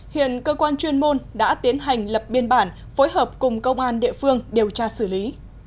hiện cơ quan chuyên môn đã tiến hành lập biên bản phối hợp cùng công an địa phương điều tra xử lý